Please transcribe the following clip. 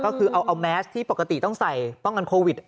ก็คือเอาแมสที่ปกติต้องใส่ป้องกันโควิด